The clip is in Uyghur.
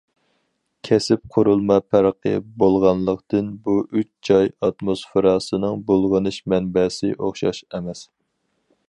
كەسىپ قۇرۇلما پەرقى بولغانلىقتىن بۇ ئۈچ جاي ئاتموسفېراسىنىڭ بۇلغىنىش مەنبەسى ئوخشاش ئەمەس.